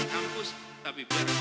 kampus tapi berapa kampus